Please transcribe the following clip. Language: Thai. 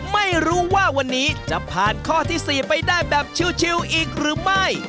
ไม่รู้ว่าวันนี้จะผ่านข้อที่๔ไปได้แบบชิวอีกหรือไม่